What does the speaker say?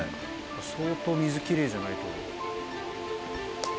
相当水きれいじゃないと。